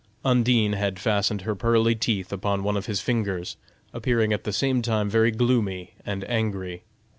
Undine had fastened her pearly teeth upon one of his fingers, appearing at the same time very gloomy and angry.